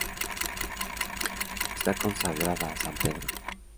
Está consagrada a San Pedro.